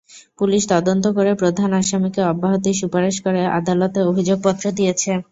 Police তদন্ত করে প্রধান আসামিকে অব্যাহতির সুপারিশ করে আদালতে অভিযোগপত্র দিয়েছে।